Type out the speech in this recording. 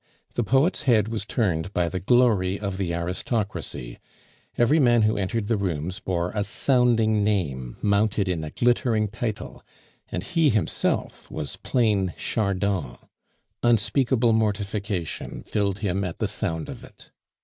The poet's head was turned by the glory of the aristocracy; every man who entered the rooms bore a sounding name mounted in a glittering title, and he himself was plain Chardon. Unspeakable mortification filled him at the sound of it.